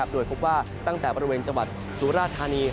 โดยพบว่าตั้งแต่บริเวณจังหวัดสุราธานี